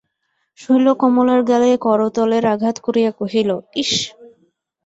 শৈল কমলার গালে করতলের আঘাত করিয়া কহিল, ইস!